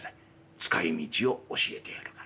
使いみちを教えてやるから。